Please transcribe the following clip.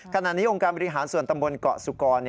ขณะนี้องค์การบริหารส่วนตำบลเกาะสุกร